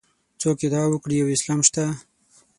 څوک ادعا وکړي یو اسلام شته.